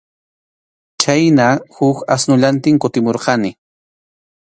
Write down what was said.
Chhayna huk asnullantin kutimurqani.